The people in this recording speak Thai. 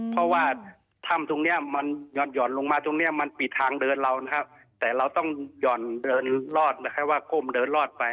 เพราะว่าถ้ำตรงเนี้ยมันหย่อนลงมาตรงเนี้ยมันปิดทางเดินเรานะครับแต่เราต้องหย่อนเดินรอดคล้ายว่าก้มเดินรอดไป